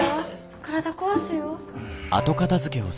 体壊すよ。